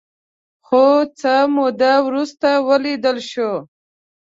خو څه موده وروسته ولیدل شول